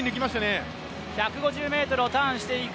１５０ｍをターンしていく。